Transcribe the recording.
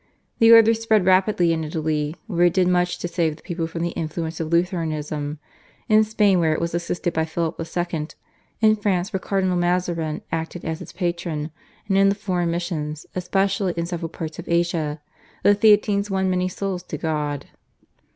The order spread rapidly in Italy, where it did much to save the people from the influence of Lutheranism, in Spain were it was assisted by Philip II., in France where Cardinal Mazarin acted as its patron, and in the foreign missions, especially in several parts of Asia, the Theatines won many souls to God.